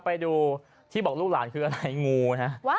ไปดูที่บอกลูกหลานคืออะไรงูนะ